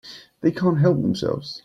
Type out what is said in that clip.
They can't help themselves.